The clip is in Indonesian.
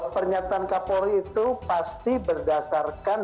pernyataan kapolri itu pasti berdasarkan